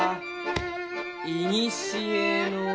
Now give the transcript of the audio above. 「いにしへの」。